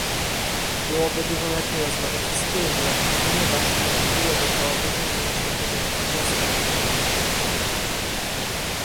Byłoby dużo lepiej rozmawiać wspólnie, ponieważ umożliwiłoby to wyciągnięcie odpowiednich wniosków